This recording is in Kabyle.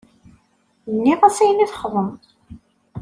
Nniɣ-as ayen i txedmeḍ.